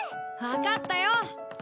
わかったよ！